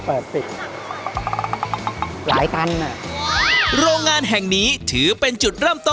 ประกบเปิดปิด